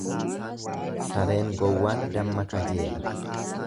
Sareen gowwaan damma kajeela.